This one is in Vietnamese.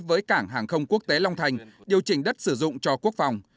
với cảng hàng không quốc tế long thành điều chỉnh đất sử dụng cho quốc phòng